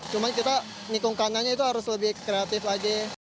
cuma kita nikung kanannya itu harus lebih kreatif lagi